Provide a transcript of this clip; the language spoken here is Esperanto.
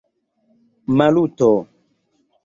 Maluto!